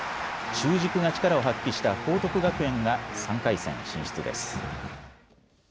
中軸が力を発揮した報徳学園が３回戦進出です。